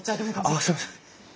あすいません。